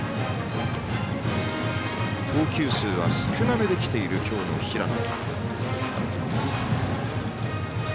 投球数は少なめできている今日の平野。